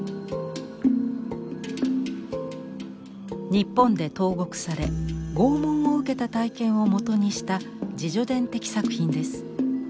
日本で投獄され拷問を受けた体験をもとにした自叙伝的作品です。